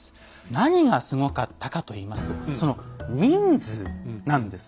何がすごかったかといいますとその人数なんですね。